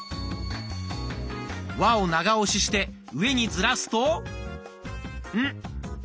「わ」を長押しして上にずらすと「ん」。